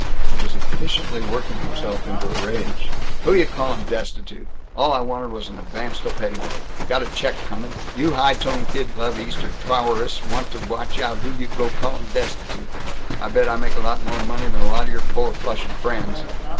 He was efficiently working himself into a rage. "Who you calling destitute? All I wanted was an advance till pay day! Got a check coming. You high tone, kid glove Eastern towerists want to watch out who you go calling destitute. I bet I make a lot more money than a lot of your four flushin' friends!"